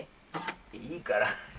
いいから。